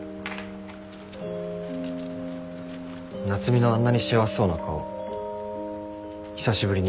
夏海のあんなに幸せそうな顔久しぶりに見た気がする。